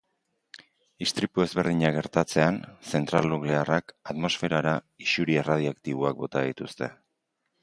Istripu ezberdinak gertatzean, zentral nuklearrak atmosferara isuri erradiaktiboak bota dituzte.